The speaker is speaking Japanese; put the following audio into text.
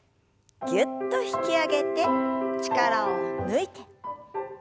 ぎゅっと引き上げて力を抜いて。